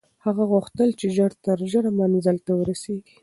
هغه غوښتل چې ژر تر ژره منزل ته ورسېږي.